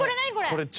これ。